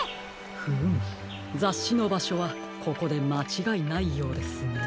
フムざっしのばしょはここでまちがいないようですね。